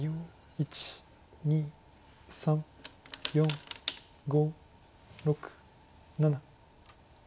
１２３４５６７。